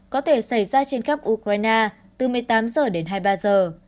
có thể xảy ra trên khắp ukraine từ một mươi tám giờ đến hai mươi ba giờ